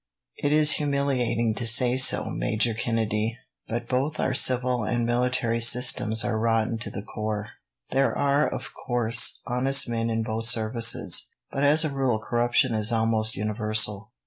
"It is humiliating to say so, Major Kennedy, but both our civil and military systems are rotten to the core. There are, of course, honest men in both services, but as a rule corruption is almost universal.